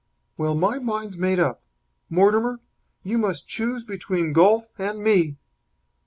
"Well, my mind's made up. Mortimer, you must choose between golf and me."